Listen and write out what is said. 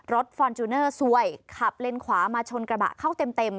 ฟอร์จูเนอร์ซวยขับเลนขวามาชนกระบะเข้าเต็มเต็ม